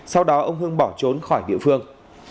sau đó ông hưng bỏ trốn khỏi địa phương